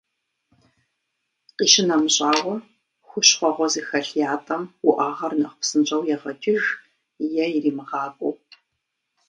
Къищынэмыщӏауэ, хущхъуэгъуэ зыхэлъ ятӏэм уӏэгъэр нэхъ псынщӏэу егъэкӏыж, е иримыгъакӏуэу.